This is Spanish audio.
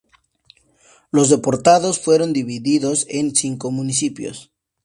Los deportados fueron divididos en cinco municipios.